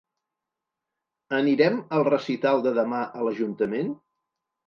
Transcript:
Anirem al recital de demà a l'ajuntament?